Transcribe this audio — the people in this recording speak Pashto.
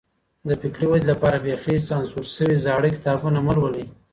د فکري ودې لپاره بېخي سانسور سوي زړه کتابونه مه لولئ.